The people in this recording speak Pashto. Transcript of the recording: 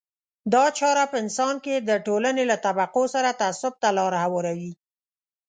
دا چاره په انسان کې د ټولنې له طبقو سره تعصب ته لار هواروي.